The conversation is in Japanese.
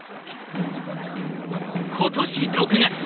今年６月。